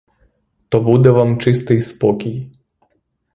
То буде вам чистий спокій.